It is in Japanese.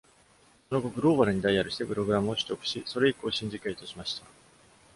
その後、グローバルにダイヤルしてプログラムを取得し、それ以降シンジケートしました。